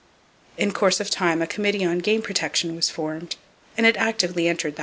In course of time a Committee on Game Protection was formed, and it actively entered that field.